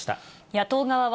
野党側は、